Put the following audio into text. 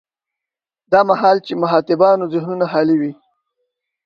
دا مهال چې مخاطبانو ذهنونه خالي وي.